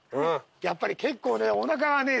やっぱり結構おなかはね。